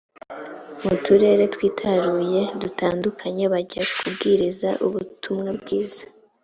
mu turere twitaruye dutandukanye bajya kubwiriza ubutumwa bwiza